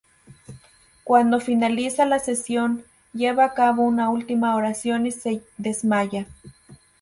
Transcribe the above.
Cuando finaliza la sesión, lleva a cabo una última oración y se desmaya.